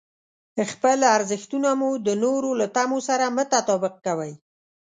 خپل ارزښتونه مو د نورو له تمو سره مه تطابق کوئ.